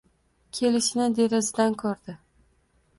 Kelishini derazadan ko'rdi.